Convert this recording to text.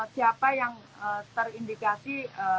siapa yang terindikasi